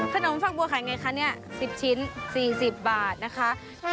ขนมฝังบัวขายอย่างไรคะนี่๑๐ชิ้น๔๐บาทนะคะ